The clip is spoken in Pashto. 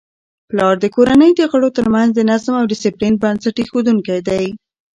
پلار د کورنی د غړو ترمنځ د نظم او ډیسپلین بنسټ ایښودونکی دی.